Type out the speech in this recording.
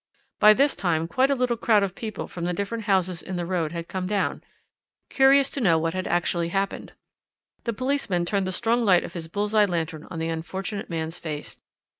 By this time quite a little crowd of people from the different houses in the road had come down, curious to know what had actually happened. "The policeman turned the strong light of his bull's eye lantern on the unfortunate man's face.